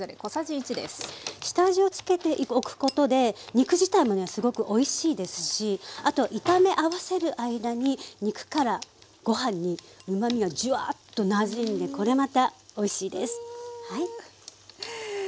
下味をつけておくことで肉自体もねすごくおいしいですしあと炒め合わせる間に肉からご飯にうまみがジュワーッとなじんでこれまたおいしいです。